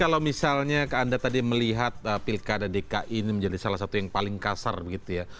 kalau misalnya anda tadi melihat pilkada dki ini menjadi salah satu yang paling kasar begitu ya